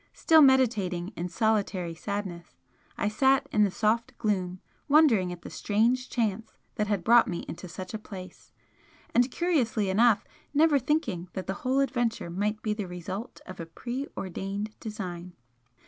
Still meditating in solitary sadness, I sat in the soft gloom wondering at the strange chance that had brought me into such a place, and, curiously enough, never thinking that the whole adventure might be the result of a pre ordained design.